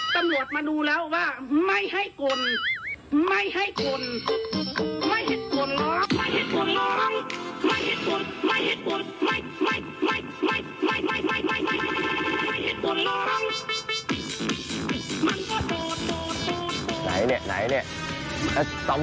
ตำลวดมาดูแล้วว่าไม่ให้กลไม่ให้กลไม่ให้กลร้อง